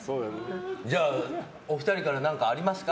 じゃあ、お二人から何かありますか？